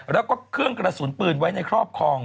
แล้วก็เครื่องกระสุนปืนไว้ในครอบครอง